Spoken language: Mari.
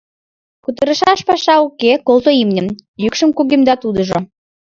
— Кутырышаш паша уке, колто имньым! — йӱкшым кугемда тудыжо.